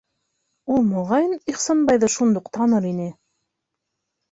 Ул, моғайын, Ихсанбайҙы шундуҡ таныр ине.